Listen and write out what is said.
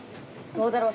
どうだろう。